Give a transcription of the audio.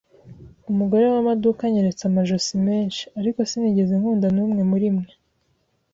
Umugore wamaduka anyeretse amajosi menshi, ariko sinigeze nkunda numwe murimwe.